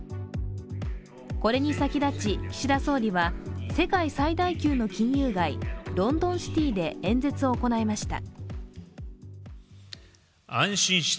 これに先立ち、岸田総理は世界最大級の金融街ロンドンシティで演説を行いました。